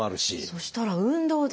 そしたら運動で。